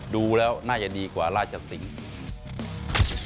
ดูแล้วน่าจะดีกว่าราชสิงศ์